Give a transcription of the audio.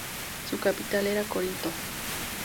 Su capital era Corinto.